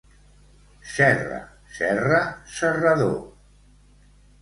Serra, serra, serrador.